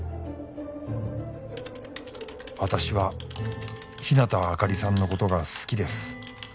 「私は日向明里さんのことが好きです」